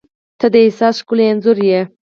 • ته د احساس ښکلی انځور یې.